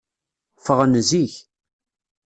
Ffɣen zik.